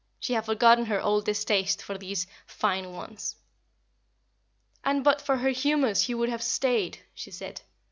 She had forgotten her old distaste for these "fine ones." "And but for her humors he would have stayed," she said.